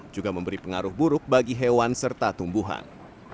juga memberi pengaruh buruk bagi hewan serta tumbuhan